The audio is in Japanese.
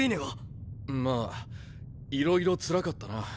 まぁいろいろつらかったな。